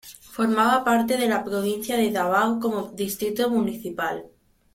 Formaba parte de la provincia de Davao como Distrito Municipal.